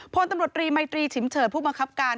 พลตำรวจรีมัยตรีฉิมเฉิดผู้บังคับการ